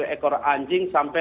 ekor anjing sampai